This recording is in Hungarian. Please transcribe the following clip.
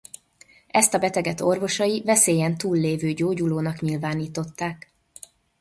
Ezt a beteget orvosai veszélyen túl lévő gyógyulónak nyilvánították.